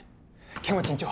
剣持院長